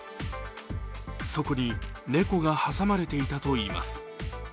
そこに猫が挟まれていたといいます。